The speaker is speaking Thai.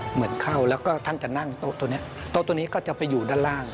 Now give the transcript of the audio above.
เหมือนเข้าแล้วก็ท่านจะนั่งโต๊ะตัวนี้โต๊ะตัวนี้ก็จะไปอยู่ด้านล่าง